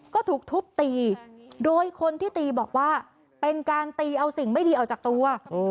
ก็ถูกทุบตีโดยคนที่ตีบอกว่าเป็นการตีเอาสิ่งไม่ดีออกจากตัว